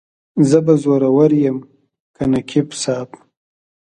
زه به زورور یم که نقیب صاحب.